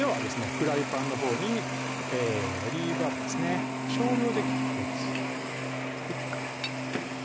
フライパンのほうにオリーブ油ですね少量で結構です